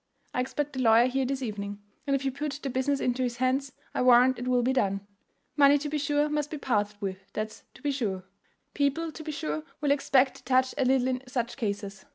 I expect the lawyer here this evening, and if you put the business into his hands I warrant it will be done. Money to be sure must be parted with, that's to be sure. People to be sure will expect to touch a little in such cases.